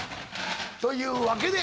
というわけで。